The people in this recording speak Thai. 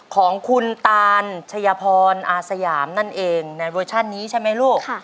ของคุณตานชัยพรอาสยามนั่นเองในเวอร์ชันนี้ใช่ไหมลูก